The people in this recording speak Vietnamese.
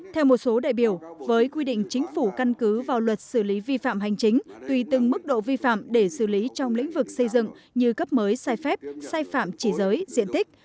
theo một số đại biểu với quy định chính phủ căn cứ vào luật xử lý vi phạm hành chính tùy từng mức độ vi phạm để xử lý trong lĩnh vực xây dựng như cấp mới sai phép sai phạm chỉ giới diện tích